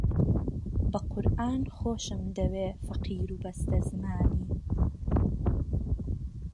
بە قورئان خۆشم دەوێ فەقیر و بەستەزمانی